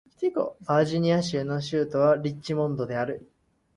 バージニア州の州都はリッチモンドである